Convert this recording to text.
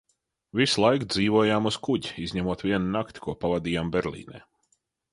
Visu laiku dzīvojām uz kuģa, izņemot vienu nakti, ko pavadījām Berlīnē.